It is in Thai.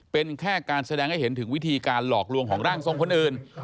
เป็นแค่การแสดงให้เห็นถึงวิธีการหลอกลวงของร่างทรงคนอื่น